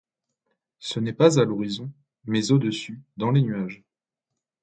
Ce n’est pas à l’horizon, mais au-dessus, dans les nuages.